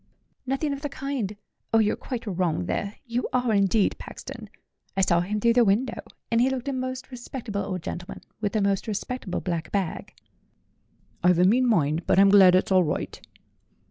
"Nothing of the kind! Oh, you're quite wrong there you are, indeed, Paxton! I saw him through the window, and he looked a most respectable old gentleman, with a most respectable black bag." "I've a mean mind; but I'm glad it's all right."